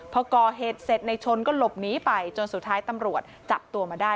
พอก่อเหตุเสร็จในชนก็หลบหนีไปจนสุดท้ายตำรวจจับตัวมาได้